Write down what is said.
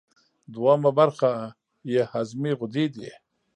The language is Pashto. دویمه برخه یې هضمي غدې دي.